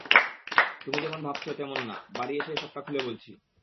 তুমি যেমন ভাবছো তেমন না, বাড়ি এসে সবটা খুলে বলছি।